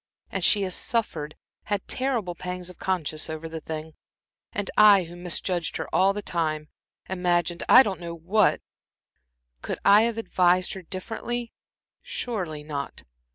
And she has suffered had terrible pangs of conscience over this thing. And I who misjudged her all this time imagined I don't know what could I have advised her differently? Surely not.